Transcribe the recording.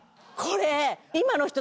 これ。